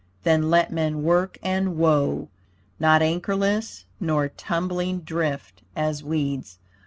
Then let men work and woo, Not anchorless, nor tumbling drift as weeds.